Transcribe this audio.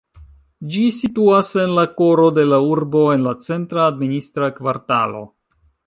Ĝi situas en la koro de la urbo en la centra administra kvartalo.